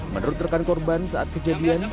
menurut rekan korban saat kejadian